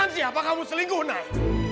dengan siapa kamu selingkuh nay